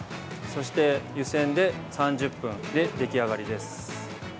そして湯煎で３０分で出来上がりです。